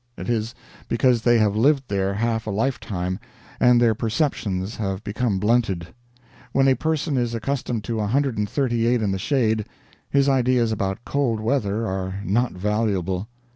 It is because they have lived there half a lifetime, and their perceptions have become blunted. When a person is accustomed to 138 in the shade, his ideas about cold weather are not valuable.